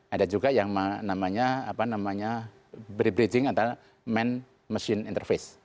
ada juga yang namanya bribridging antara man machine interface